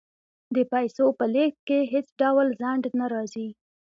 د پیسو په لیږد کې هیڅ ډول ځنډ نه راځي.